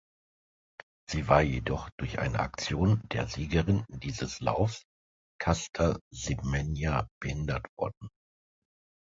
Sie war jedoch durch eine Aktion der Siegerin dieses Laufs Caster Semenya behindert worden.